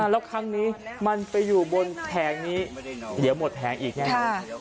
แล้วครั้งนี้มันไปอยู่บนแผงนี้เดี๋ยวหมดแผงอีกใช่ไหม